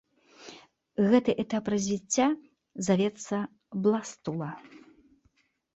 Гэты этап развіцця завецца бластула.